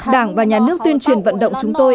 đảng và nhà nước tuyên truyền vận động chúng tôi